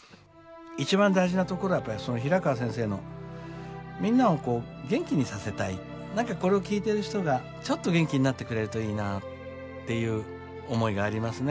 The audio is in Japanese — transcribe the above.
一番大事なところはやっぱり平川先生のみんなを元気にさせたい何かこれを聞いてる人がちょっと元気になってくれるといいなっていう思いがありますね。